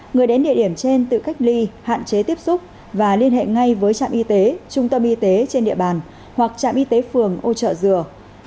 người đến địa điểm trên tự cách ly hạn chế tiếp xúc và liên hệ ngay với trạm y tế trung tâm y tế trên địa bàn hoặc trạm y tế phường ô trợ dừa chín trăm bảy mươi ba bốn mươi bốn bảy mươi ba